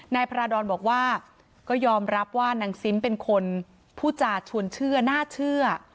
นายพระราดรบอกว่าก็ยอมรับว่านางซิมเป็นคนพูดจาชวนเชื่อน่าเชื่อ